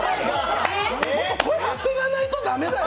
もっと声張っていかないと駄目だよ。